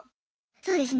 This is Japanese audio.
そうですね。